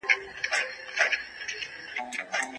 خالق ورځ نه غوښتل خالق مې راته شپه راوړې